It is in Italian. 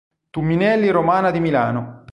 Tumminelli Romana di Milano.